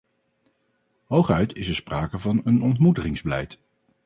Hooguit is er sprake van een ontmoedigingsbeleid.